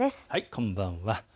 こんばんは。